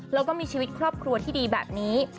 แล้วก็มีชีวิตครอบครัวที่ดีแบบนี้